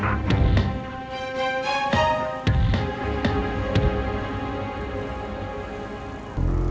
taught riana memang bagaimana sih